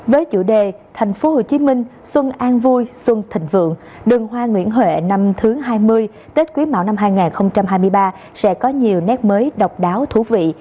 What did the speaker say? với chủ đề thành phố hồ chí minh xuân an vui xuân thịnh vượng đường hoa nguyễn huệ năm thứ hai mươi tết quý mão năm hai nghìn hai mươi ba sẽ có nhiều nét mới độc đáo thú vị